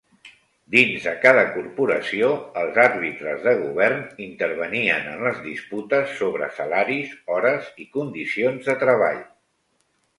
Dins de cada corporació, els àrbitres de govern intervenien en les disputes sobre salaris, hores i condicions de treball.